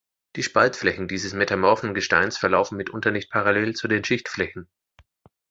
Die Spaltflächen dieses metamorphen Gesteins verlaufen mitunter nicht parallel zu den Schichtflächen.